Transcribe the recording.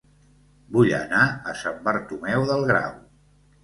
Vull anar a Sant Bartomeu del Grau